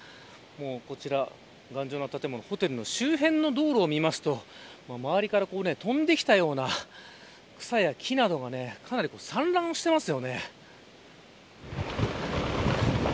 こちら、頑丈な建物ホテルの周辺の道路を見ますと周りから飛んできたような草や木などがかなり散乱してます。